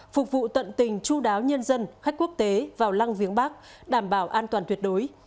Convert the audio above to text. phục vụ tận tình chú đáo nhân dân khách quốc tế vào lăng viếng bắc đảm bảo an toàn tuyệt đối